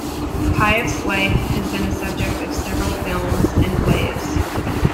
Piaf's life has been the subject of several films and plays.